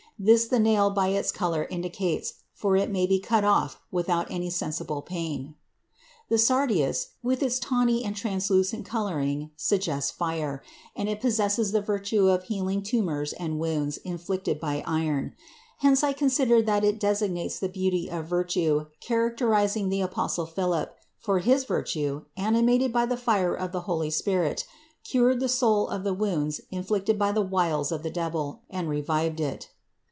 This the nail by its color indicates, for it may be cut off without any sensible pain. The sardius with its tawny and translucent coloring suggests fire, and it possesses the virtue of healing tumors and wounds inflicted by iron; hence I consider that it designates the beauty of virtue characterizing the apostle Philip, for his virtue, animated by the fire of the Holy Spirit, cured the soul of the wounds inflicted by the wiles of the devil, and revived it.